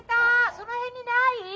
その辺にない？